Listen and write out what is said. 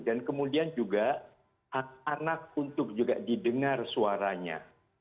dan kemudian juga anak untuk juga didengar suaranya